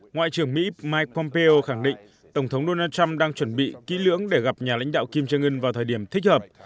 ngoại trưởng mỹ mike pompeo khẳng định tổng thống donald trump đang chuẩn bị kỹ lưỡng để gặp nhà lãnh đạo kim trương ưn vào thời điểm thích hợp